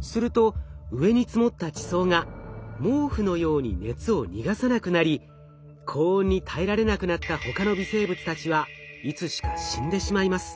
すると上に積もった地層が毛布のように熱を逃がさなくなり高温に耐えられなくなったほかの微生物たちはいつしか死んでしまいます。